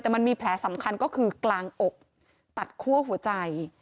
แต่มันมีแผลสำคัญก็คือกลางอกตัดคั่วหัวใจ